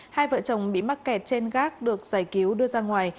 hai vợ chồng bị mắc kẹt trên gác được giải cứu đưa ra ngoài